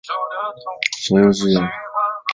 左右之人都很震惊恐惧。